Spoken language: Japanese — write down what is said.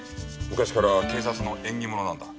昔から警察の縁起物なんだ。